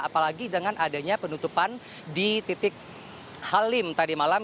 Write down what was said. apalagi dengan adanya penutupan di titik halim tadi malam